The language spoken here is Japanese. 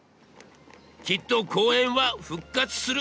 きっと公園は復活する。